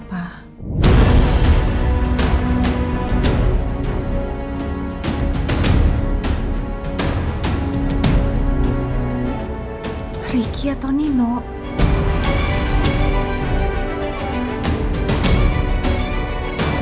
jawab yang jujur ya